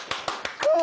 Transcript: うわ！